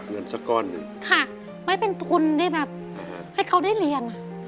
เงินสักก้อนหนึ่งค่ะไว้เป็นทุนที่แบบให้เขาได้เรียน